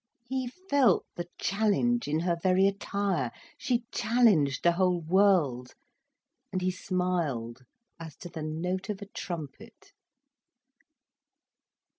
He felt the challenge in her very attire—she challenged the whole world. And he smiled as to the note of a trumpet.